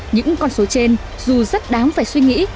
những con số trên dù rất đáng phải suy nghĩ